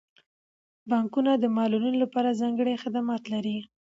بانکونه د معلولینو لپاره ځانګړي خدمات لري.